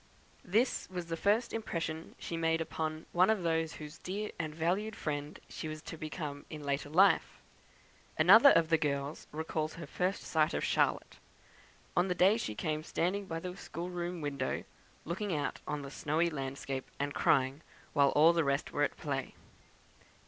This was the first impression she made upon one of those whose dear and valued friend she was to become in after life. Another of the girls recalls her first sight of Charlotte, on the day she came, standing by the schoolroom window, looking out on the snowy landscape, and crying, while all the rest were at play.